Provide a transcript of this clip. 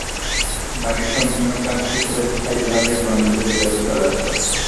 বাড়ির সম্পূর্ণ কাজ শেষ হলে স্থায়ীভাবেই বন্ধ হয়ে যাবে চলার পথ।